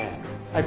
はい。